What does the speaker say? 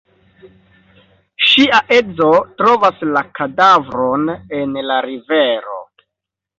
Ŝia edzo trovas la kadavron en la rivero.